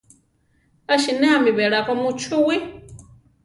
A sinéami belako muchúwii.